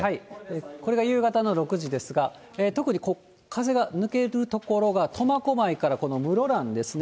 これが夕方の６時ですが、特に風が抜ける所が、苫小牧からこの室蘭ですね。